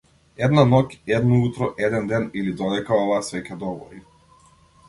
Една ноќ, едно утро, еден ден или додека оваа свеќа догори?